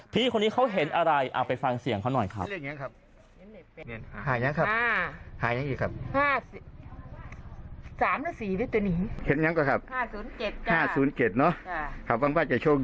พี่คนนี้เขาเห็นอะไรเอาไปฟังเสียงเขาหน่อยครับ